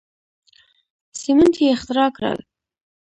سیمنټ یې اختراع کړل.